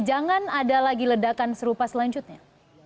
jangan ada lagi ledakan serupa selanjutnya